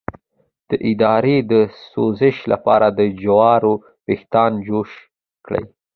د ادرار د سوزش لپاره د جوارو ویښتان جوش کړئ